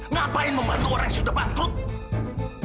ngapain membantu orang yang sudah bangkrut